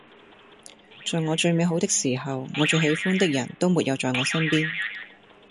在我最美好的時候，我最喜歡的人都沒有在我身邊